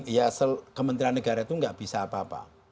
ya kementerian negara itu nggak bisa apa apa